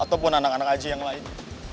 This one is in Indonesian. ataupun anak anak aji yang lain